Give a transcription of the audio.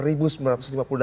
kami punya banyak bahan cerita